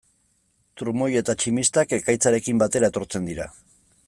Trumoi eta tximistak ekaitzarekin batera etortzen dira.